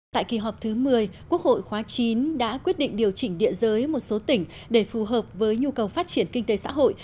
tại kỳ họp thứ một mươi quốc hội khóa chín đã quyết định điều chỉnh địa giới một số tỉnh để phù hợp với nhu cầu phát triển kinh tế xã hội